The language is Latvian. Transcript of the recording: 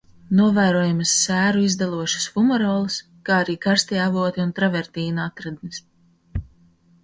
Novērojamas sēru izdalošas fumarolas, kā arī karstie avoti un travertīna atradnes.